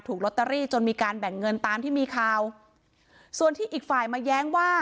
ลอตเตอรี่จนมีการแบ่งเงินตามที่มีข่าวส่วนที่อีกฝ่ายมาแย้งว่า